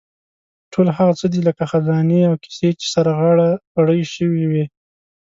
ټول هغه څه دي لکه خزانې او کیسې چې سره غاړه غړۍ شوې وي.